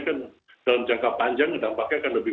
kan dalam jangka panjang dampaknya akan lebih